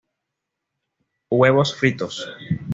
Huevos Fritos.